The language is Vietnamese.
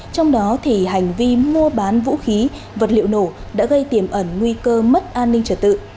trong đó thì hành vi mua bán vũ khí vật liệu nổ đã gây tiềm ẩn nguy cơ mất an ninh trở tự